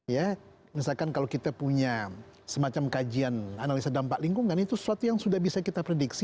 ya misalkan kalau kita punya semacam kajian analisa dampak lingkungan itu sesuatu yang sudah bisa kita prediksi